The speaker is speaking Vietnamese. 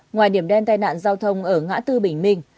ngoài điểm đen tai nạn giao thông ở ngã tư bình minh